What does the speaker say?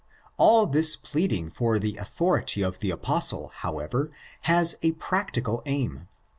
All this pleading for the authority of the Apostle, how ever, has a practical aim.